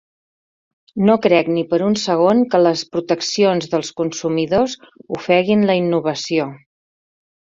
No crec ni per un segon que les proteccions dels consumidors ofeguin la innovació.